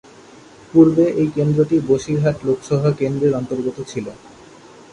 পূর্বে এই কেন্দ্রটি বসিরহাট লোকসভা কেন্দ্রের অন্তর্গত ছিল।